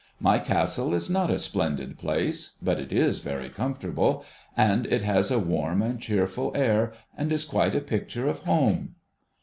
My Castle is not a splendid place, but it is very comfortable, and it has a warm and cheerful air, and is quite a picture of Home.